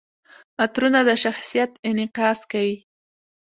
عطرونه د شخصیت انعکاس کوي.